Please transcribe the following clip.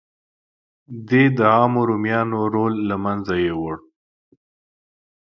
دې د عامو رومیانو رول له منځه یووړ